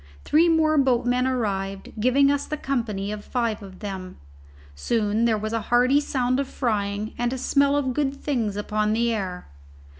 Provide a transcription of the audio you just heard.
Three more boatmen arrived, giving us the company of five of them. Soon there was a hearty sound of frying and a smell of good things upon the air.